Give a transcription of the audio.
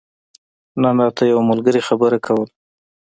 نن راته يو ملګري خبره کوله